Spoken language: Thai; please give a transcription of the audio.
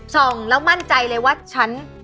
ส่องแล้วมั่นใจเลยว่าฉัน